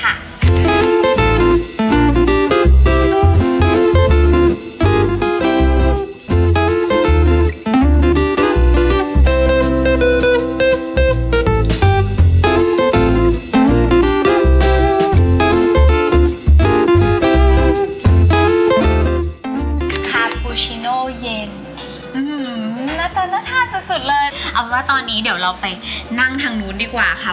คาปูชิโน์เย็นอื้อหือไหมนะตาหน่อทีสุดเลยเอาแล้วตอนนี้เดี๋ยวเราไปนั่งทางนู้นดีกว่าครับ